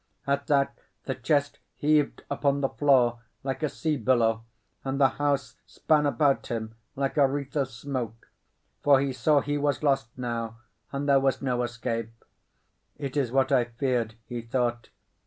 At that the chest heaved upon the floor like a sea billow, and the house span about him like a wreath of smoke, for he saw he was lost now, and there was no escape. "It is what I feared," he thought.